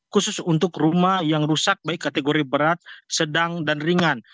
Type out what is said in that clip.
khusus untuk rumah yang rusak baik kategori berat sedang dan ringan